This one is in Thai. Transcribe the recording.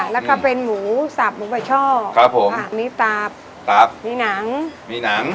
แล้วก็เป็นหมูสับหมูปลาช่อครับผมค่ะมีตับตาบมีหนังมีหนัง